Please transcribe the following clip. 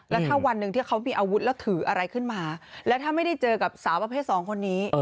แล้วถ้าวันหนึ่งที่เขามีอาวุธแล้วถืออะไรขึ้นมาแล้วถ้าไม่ได้เจอกับสาวประเภทสองคนนี้